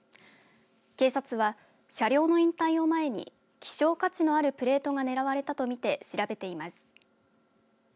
警察は車両の引退を前に希少価値のあるプレートがねらわれたとみて調べています。